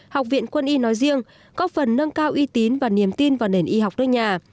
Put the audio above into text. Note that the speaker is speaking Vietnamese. học viện quân y nói riêng góp phần nâng cao y tín và niềm tin vào nền y học đất nhà